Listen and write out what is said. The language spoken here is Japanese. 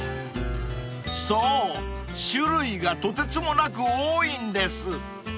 ［そう種類がとてつもなく多いんです］